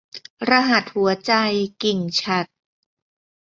รหัสหัวใจ - กิ่งฉัตร